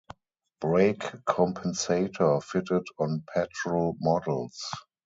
Brake compensator fitted on petrol models.